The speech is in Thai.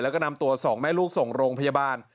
แล้วก็นำตัวสองแม่ลูกส่งโรงพยาบาล